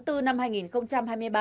tháng bốn năm hai nghìn hai mươi ba